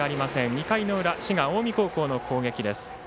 ２回の裏、滋賀・近江高校の攻撃。